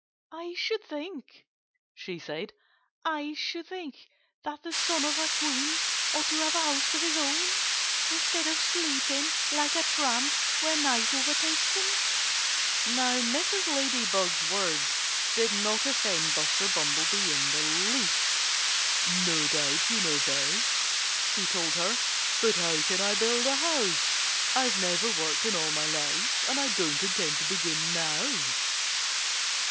"I should think " she said "I should think that the son of a queen ought to have a house of his own, instead of sleeping like a tramp where night overtakes him." Now, Mrs. Ladybug's words did not offend Buster Bumblebee in the least. "No doubt you know best," he told her. "But how can I build a house? I've never worked in all my life. And I don't intend to begin now."